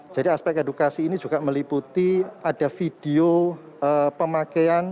jadi aspek edukasi ini juga meliputi ada video pemakaian